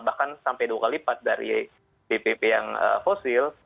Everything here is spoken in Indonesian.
bahkan sampai dua kali lipat dari bpp yang fosil